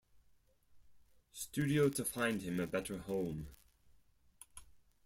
Studio to find him a better home.